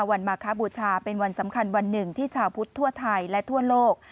มาคบูชาเป็นวันสำคัญวันหนึ่งที่ชาวพุทธทั่วไทยและทั่วโลก